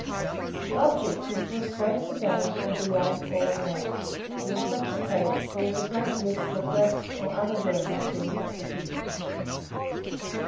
The object is to escape the danger of the young falling out; but in such cases, there is a great risk of rats or other vermin getting at the pigeons.